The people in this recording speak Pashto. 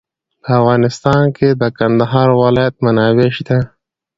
په افغانستان کې د کندهار ولایت منابع شته.